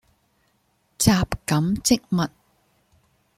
什錦漬物